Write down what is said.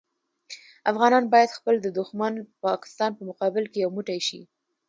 افغانان باید خپل د دوښمن پاکستان په مقابل کې یو موټی شي.